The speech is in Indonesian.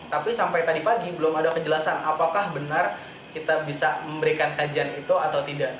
tapi sampai tadi pagi belum ada kejelasan apakah benar kita bisa memberikan kajian itu atau tidak